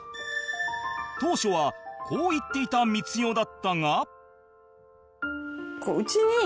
当初はこう言っていた光代だったが